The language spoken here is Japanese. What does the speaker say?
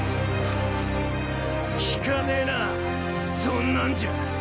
効かねェなァそんなんじゃ！！